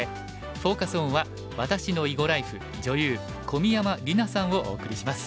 フォーカス・オンは「私の囲碁ライフ女優小宮山莉渚さん」をお送りします。